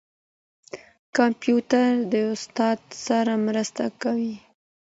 کمپيوټر د استاد سره مرسته کوي.